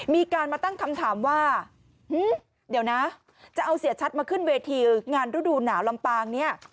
มีการมาตั้งคำถามว่าเดี๋ยวนะจะเอาเสียชัดมาขึ้นเวทีงานฤดูหนาวลำปางเนี่ย